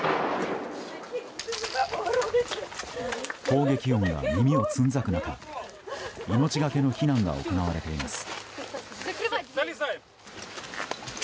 砲撃音が耳をつんざく中命がけの避難が行われています。